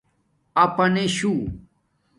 اپانشُو